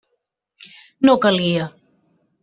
No calia.